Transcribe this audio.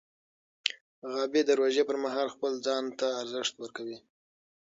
غابي د روژې پر مهال خپل ځان ته ارزښت ورکوي.